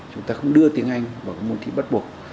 chúng ta không đưa tiếng anh vào cái môn thi bắt buộc